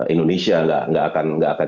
indonesia nggak akan